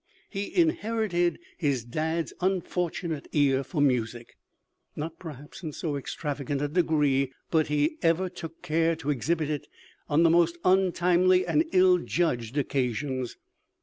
"He inherited his dad's unfortunate ear for music, not perhaps in so extravagant a degree, but he ever took care to exhibit it on the most untimely and ill judged occasions.